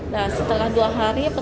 nah setelah dua hari